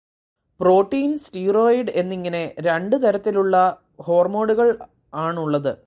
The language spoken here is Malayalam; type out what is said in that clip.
പ്രോടീൻ, സ്റ്റിറോയ്ഡ് എന്നിങ്ങനെ രണ്ട് തരത്തിൽ ഉള്ള ഹോർമോണുകൾ ആണുള്ളത്.